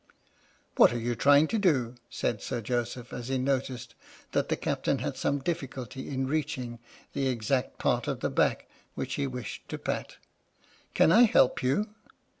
" What are you trying to do? " said Sir Joseph, as he noticed that the Captain had some difficulty in reaching the exact part of the back which he wished to pat. " Can I help you?